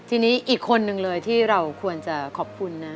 ทีนี้อีกคนนึงเลยที่เราควรจะขอบคุณนะ